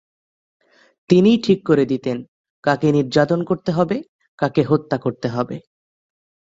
তিনিই ঠিক করে দিতেন, কাকে নির্যাতন করতে হবে, কাকে হত্যা করতে হবে।